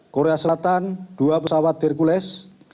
korea selatan dua pesawat hercules